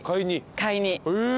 買いに。